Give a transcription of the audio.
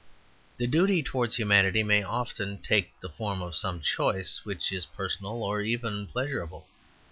The duty towards humanity may often take the form of some choice which is personal or even pleasurable.